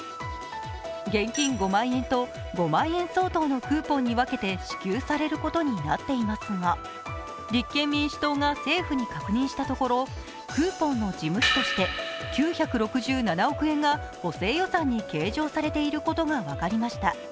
現金５万円と５万円相当のクーポンに分けて支給されることになっていますが、立憲民主党が政府に確認したところクーポンの事務費として９６７億円が補正予算に計上されていることが分かりました。